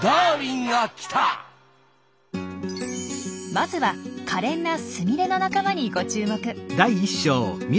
まずはかれんなスミレの仲間にご注目。